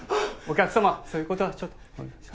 お客様そういうことはちょっと。